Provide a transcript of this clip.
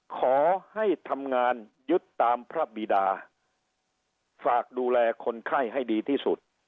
ขอให้ทำงานยึดตามพระบิดาฝากดูแลคนไข้ให้ดีที่สุด